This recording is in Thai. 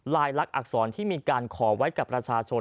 ลายลักษณอักษรที่มีการขอไว้กับประชาชน